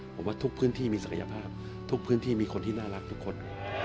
ผมว่าทุกพื้นที่มีศักยภาพทุกพื้นที่มีคนที่น่ารักทุกคน